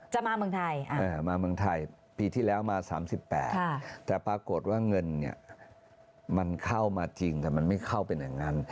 มาเมืองไทยมาเมืองไทยปีที่แล้วมา๓๘แต่ปรากฏว่าเงินเนี่ยมันเข้ามาจริงแต่มันไม่เข้าเป็นอย่างนั้น